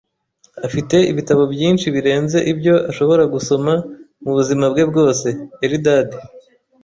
Afite ibitabo byinshi birenze ibyo ashobora gusoma mubuzima bwe bwose. (Eldad)